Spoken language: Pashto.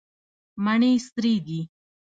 مڼې سرې دي.